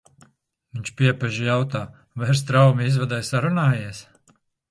Viņš piepeži jautā: vai ar Straumi izvadē sarunājies?